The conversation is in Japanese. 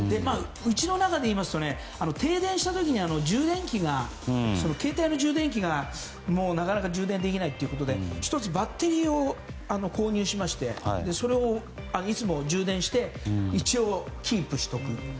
家の中でいいますと停電した時に携帯の充電器がなかなか充電できないということで１つバッテリーを購入しましてそれをいつも充電して一応キープしておく。